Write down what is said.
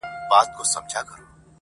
ستا غمونه ستا دردونه زما بدن خوري .